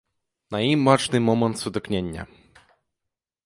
На ім бачны момант сутыкнення.